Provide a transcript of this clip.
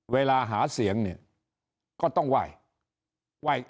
เวลาหาเสียงเนี่ยก็ต้องไหว้